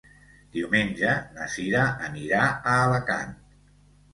Diumenge na Sira anirà a Alacant.